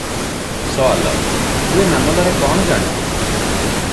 ସୱାଲ - ତୁ ଏ ମାମଲାରେ କଣ ଜାଣୁ?